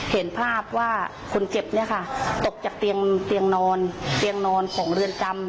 เห็นภาพว่าคนเจ็บเนี่ยค่ะตกจากเตียงนอนเตียงนอนของเรือนจำ